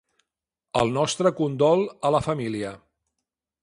El nostre condol a la família.